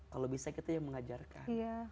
kalau bisa kita yang mengajarkan